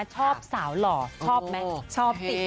ชอบสาวหล่อชอบแม่